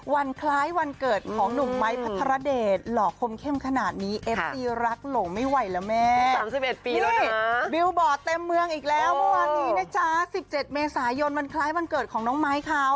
บิลบอร์ดเต็มเมืองอีกแล้ววันนี้นะจ๊ะ๑๗เมษายนวันคล้ายวันเกิดของน้องไม้เขา